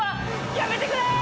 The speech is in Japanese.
やめてくれ！